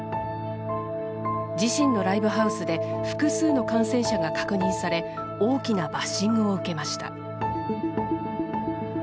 自身のライブハウスで複数の感染者が確認され大きなバッシングを受けました。